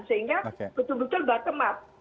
sehingga betul betul bottom up